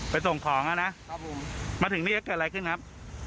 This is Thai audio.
อ๋อไปส่งของนะครับผมมาถึงนี่เป็นอะไรขึ้นครับ